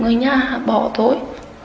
người nhà bỏ tôi